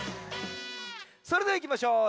それではいきましょう。